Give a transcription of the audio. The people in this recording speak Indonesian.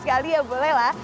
sekali sekali ya bolehlah